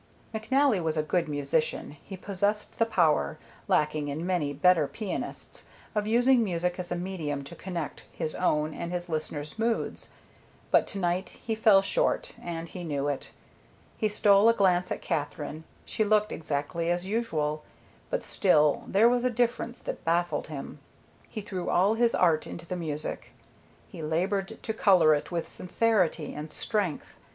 McNally was a good musician. He possessed the power, lacking in many better pianists, of using music as a medium to connect his own and his listener's moods; but to night he fell short, and he knew it. He stole a glance at Katherine. She looked exactly as usual, but still there was a difference that baffled him. He threw all his art into the music. He labored to color it with sincerity and strength.